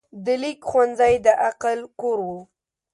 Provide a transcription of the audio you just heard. د لیک ښوونځی د عقل کور و.